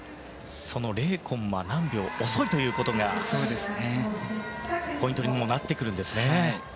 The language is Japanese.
０コンマ何秒遅いということがポイントにもなってくるんですね。